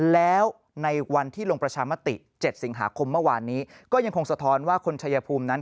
แล้วในวันที่ลงประชามติ๗สิงหาคมเมื่อวานนี้ก็ยังคงสะท้อนว่าคนชายภูมินั้น